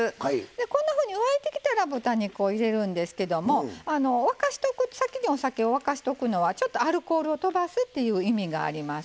こんなふうに沸いてきたら豚肉を入れるんですけども沸かしておく先にお酒を沸かしておくのはちょっとアルコールをとばすっていう意味があります。